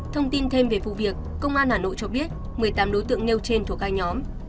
thông tin thêm về vụ việc công an hà nội cho biết một mươi tám đối tượng nêu trên thuộc các nhóm